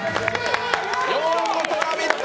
ようこそ「ラヴィット！」